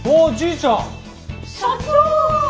社長！